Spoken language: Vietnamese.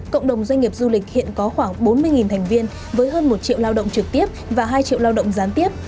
cộng đồng doanh nghiệp du lịch hiện có khoảng bốn mươi thành viên với hơn một triệu lao động trực tiếp và hai triệu lao động gián tiếp